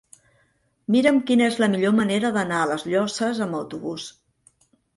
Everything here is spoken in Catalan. Mira'm quina és la millor manera d'anar a les Llosses amb autobús.